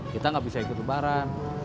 kita nggak bisa ikut lebaran